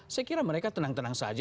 saya kira mereka tenang tenang saja